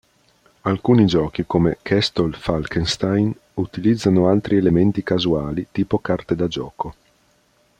Alcuni giochi, come "Castle Falkenstein", utilizzano altri elementi casuali, tipo carte da gioco.